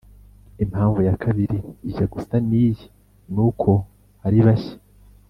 Impamvu ya kabiri ijya gusa n’iyi ni uko aribashya